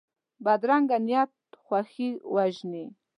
بدرنګه نیت خوښي وژني